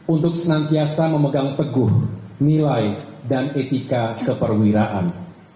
untuk senantiasa memegang teguh nilai dan etika keperwiraan